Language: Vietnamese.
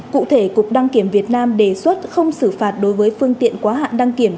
cụ thể cục đăng kiểm việt nam đề xuất không xử phạt đối với phương tiện quá hạn đăng kiểm